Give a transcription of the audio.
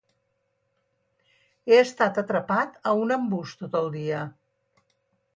He estat atrapat a un embús tot el dia!